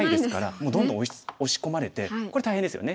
もうどんどん押し込まれてこれ大変ですよね。